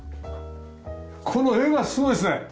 この絵がすごいですね。